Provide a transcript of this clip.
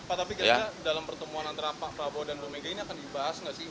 pak tapi kira kira dalam pertemuan antara pak prabowo dan bu mega ini akan dibahas nggak sih